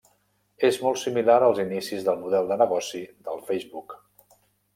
És molt similar als inicis del model de negoci del Facebook.